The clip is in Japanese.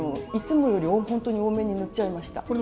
いつもよりほんとに多めに塗っちゃいました。